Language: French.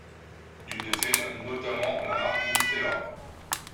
Ils détiennent, notamment, la marque Mustela.